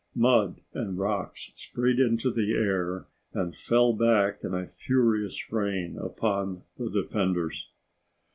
Mud and rocks sprayed into the air and fell back in a furious rain upon the defenders.